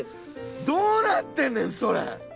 どうなってんねんそれ！